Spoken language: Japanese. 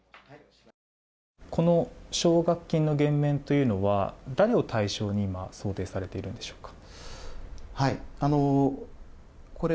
この奨学金の減免というのは誰を対象に今想定されているんでしょうか。